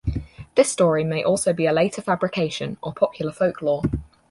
This story may also be a later fabrication, or popular folklore.